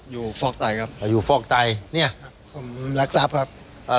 อยู่ฟอกไตครับอยู่ฟอกไตเนี่ยครับผมรักษัพครับอ่า